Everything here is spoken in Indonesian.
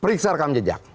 periksa rekam jejak